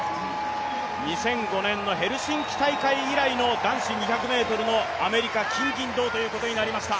２００５年のヘルシンキ大会以来の男子２００ｍのアメリカ金、銀、銅ということになりました。